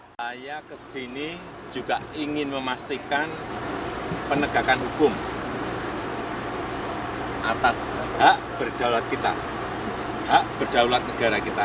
saya kesini juga ingin memastikan penegakan hukum atas hak berdaulat kita hak berdaulat negara kita